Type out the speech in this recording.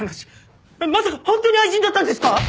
まさか本当に愛人だったんですか！？